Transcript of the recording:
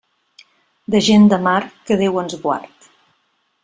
De gent de mar, que Déu ens en guard.